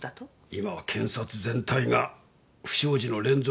今は検察全体が不祥事の連続で揺れている。